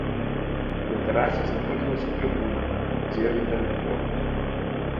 На тэрасе знаходзілася трыбуна, звернутая да форума.